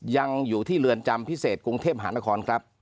ยังอยู่ที่เรือนจำพิเศษกรุงเทพหานครครับ